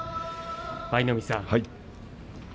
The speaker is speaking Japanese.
舞の海さん